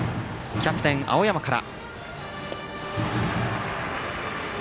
キャプテン、青山から。